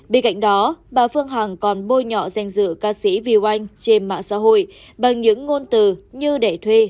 bên cạnh đó bà phương hằng còn bôi nhọ danh dự ca sĩ vy oanh trên mạng xã hội bằng những ngôn từ như để thuê